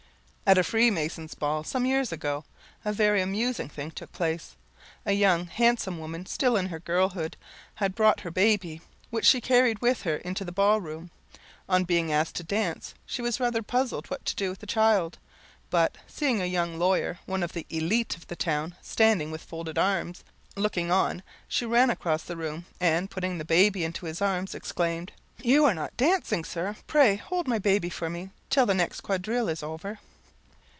At a freemasons' ball, some years ago, a very amusing thing took place. A young handsome woman, still in her girlhood, had brought her baby, which she carried with her into the ball room. On being asked to dance, she was rather puzzled what to do with the child; but, seeing a young lawyer, one of the elite of the town, standing with folded arms looking on, she ran across the room, and, putting the baby into his arms, exclaimed "You are not dancing, sir; pray hold my baby for me, till the next quadrille is over."